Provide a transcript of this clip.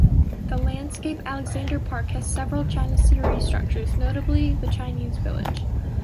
The landscape Alexander Park has several Chinoiserie structures, notably the Chinese Village.